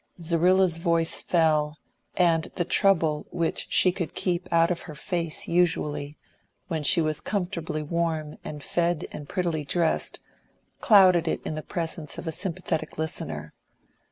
Zerrilla's voice fell, and the trouble which she could keep out of her face usually, when she was comfortably warmed and fed and prettily dressed, clouded it in the presence of a sympathetic listener.